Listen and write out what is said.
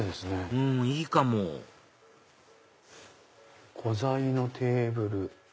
うんいいかも「古材のテーブル」。